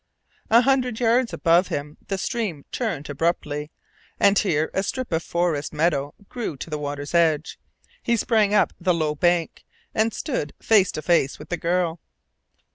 A hundred yards above him the stream turned abruptly, and here a strip of forest meadow grew to the water's edge. He sprang up the low bank, and stood face to face with the girl.